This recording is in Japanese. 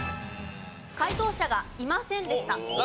解答者がいませんでした。